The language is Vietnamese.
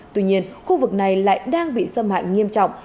tuy nhiên khu vực này lại đang bị xâm hại nghiêm trọng